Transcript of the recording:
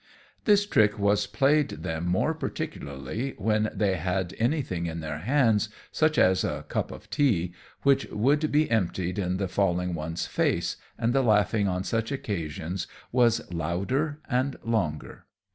This trick was played them more particularly when they had anything in their hands, such as a cup of tea, which would be emptied in the falling one's face, and the laughing on such occasions was louder and longer.